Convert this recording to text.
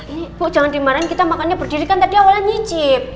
ini bu jangan dimarahin kita makannya berdiri kan tadi awalnya nyicip